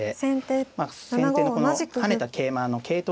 先手のこの跳ねた桂馬の桂頭